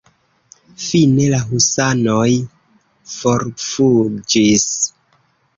Fine la husanoj forfuĝis.